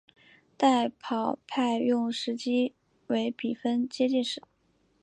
代跑派用时机为比分接近时。